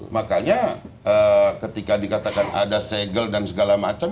makanya ketika dikatakan ada segel dan segala macam